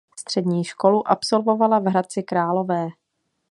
Střední školu absolvovala v Hradci Králové.